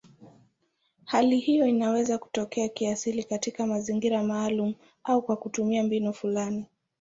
Hali hiyo inaweza kutokea kiasili katika mazingira maalumu au kwa kutumia mbinu fulani.